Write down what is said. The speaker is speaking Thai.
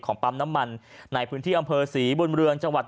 ปั๊มน้ำมันในพื้นที่อำเภอศรีบุญเรืองจังหวัด